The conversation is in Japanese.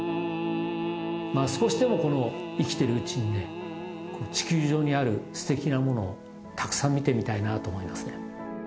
少しでもこの生きてるうちにね地球上にあるすてきなものをたくさん見てみたいなと思いますね。